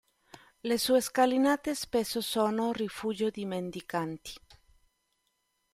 Le sue scalinate spesso sono rifugio di mendicanti.